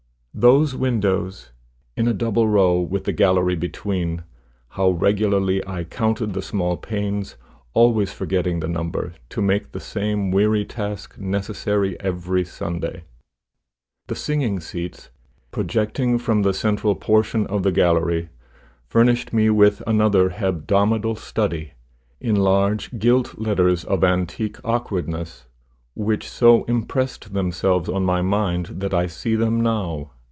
Those windows, in a double row, with the gallery between, how regularly I counted the small panes, always forgetting the number, to make the same weary task necessary every Sunday! The singing seats, projecting from the central portion of the gallery, furnished me with another hebdomadal study, in large gilt letters of antique awkwardness, which so impressed themselves on my mind that I see them now.